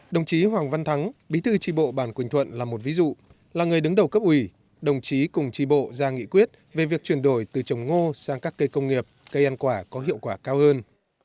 đồng chí hoàng văn thắng bí thư tri bộ bản quỳnh thuận là một ví dụ là người đứng đầu cấp ủy đồng chí cùng tri bộ ra nghị quyết về việc chuyển đổi từ trồng ngô sang các cây công nghiệp cây ăn quả có hiệu quả cao hơn